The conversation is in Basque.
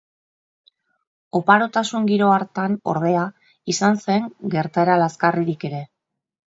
Oparotasun giro hartan ordea izan zen gertaera lazgarririk ere.